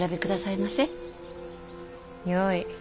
よい。